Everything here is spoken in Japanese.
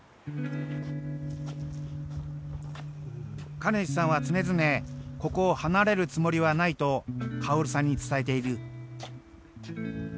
兼治さんは常々ここを離れるつもりはないと薫さんに伝えている。